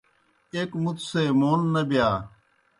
ایْک مُتوْ سے مون نہ بِیا۔